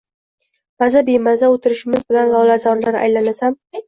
Maza-bemaza oʻtirishimiz bilan lolazorlar aylanasan